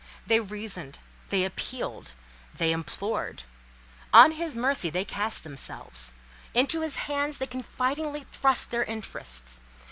They reasoned, they appealed, they implored; on his mercy they cast themselves, into his hands they confidingly thrust their interests.